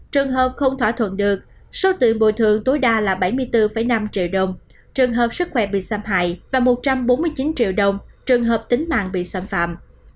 trường hợp không thỏa thuận được số tiền bồi thường tối đa là bảy mươi bốn năm triệu đồng trường hợp sức khỏe bị xâm hại và một trăm bốn mươi chín triệu đồng trường hợp tính mạng bị xâm phạm